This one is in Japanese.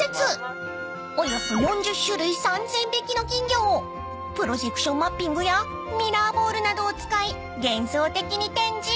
［およそ４０種類３，０００匹の金魚をプロジェクションマッピングやミラーボールなどを使い幻想的に展示］